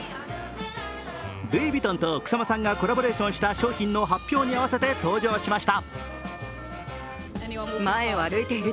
ルイ・ヴィトンと草間さんがコラボレーションした商品の発表に合わせて登場しました。